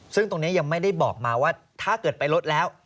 ซึ่งตรงนี้ยังไม่ได้บอกมาว่าถ้าเกิดไปรถแล้ว